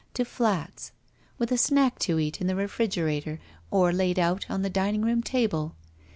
To flats. With a snack to eat in the refrigerator or laid out on the dining room table.